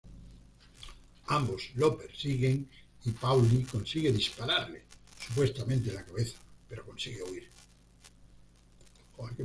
Ambos lo persiguen y Paulie consigue dispararle, supuestamente en la cabeza, pero consigue huir.